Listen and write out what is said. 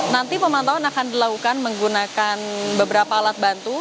nanti pemantauan akan dilakukan menggunakan beberapa alat bantu